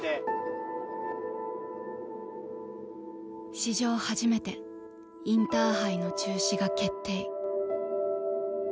史上初めてインターハイの中止が決定。